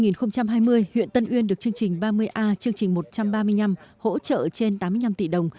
năm hai nghìn hai mươi huyện tân uyên được chương trình ba mươi a chương trình một trăm ba mươi năm hỗ trợ trên tám mươi năm tỷ đồng